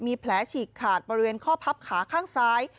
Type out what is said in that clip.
มีแผลฉีกขาดบริเวณข้อพับขาข้างซ้าย